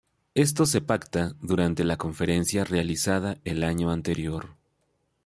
Esto se pacta durante la conferencia realizada el año anterior.